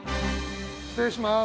失礼します。